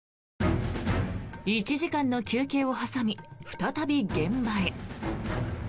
１時間の休憩を挟み再び現場へ。